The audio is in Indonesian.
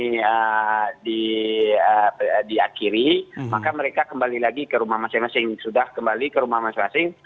ini diakhiri maka mereka kembali lagi ke rumah masing masing sudah kembali ke rumah masing masing